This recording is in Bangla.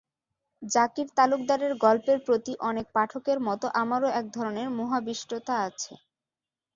জাকির তালুকদারের গল্পের প্রতি অনেক পাঠকের মতো আমারও একধরনের মোহাবিষ্টতা আছে।